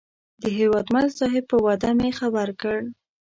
د هیوادمل صاحب په وعده مې خبر کړ.